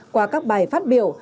qua các bài phát biểu